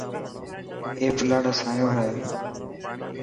اي پلاٽ اسانيو هي.